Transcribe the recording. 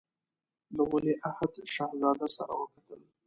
له ولیعهد شهزاده سره وکتل.